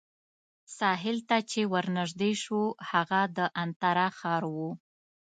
ساحل ته چې ورنژدې شوو، هغه د انترا ښار وو.